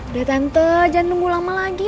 udah tante jangan nunggu lama lagi